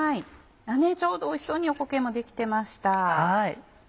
ちょうどおいしそうにおこげも出来てました。